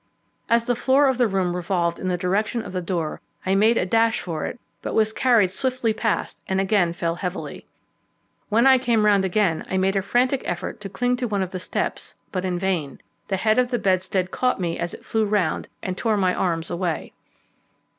As the floor of the room revolved in the direction of the door I made a dash for it, but was carried swiftly past, and again fell heavily. When I came round again I made a frantic effort to cling to one of the steps, but in vain; the head of the bedstead caught me as it flew round, and tore my arms away.